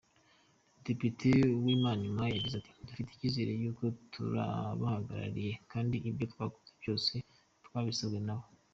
Depite Uwimanimpaye yagize ati “Dufite icyizere kuko turabahagarariye kandi ibyo twakoze byose twabisabwe nabo.